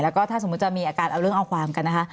แล้วก็ถ้าสมมุติจะมีอาการเอาเรื่องเอาความกันนะคะ